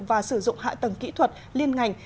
và sử dụng hạ tầng kỹ thuật liên ngành